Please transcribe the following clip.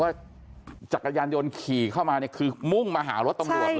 ว่าจักรยานยนต์ขี่เข้ามาคือมุ่งมาหารถำรวจเลย